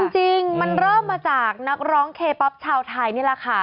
จริงมันเริ่มมาจากนักร้องเคป๊อปชาวไทยนี่แหละค่ะ